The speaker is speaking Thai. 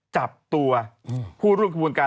จับตัวผู้ร่วมขบวนการ